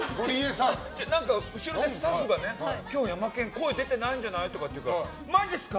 何か、後ろでスタッフがね今日、ヤマケン声出てないんじゃない？って言うからマジすか？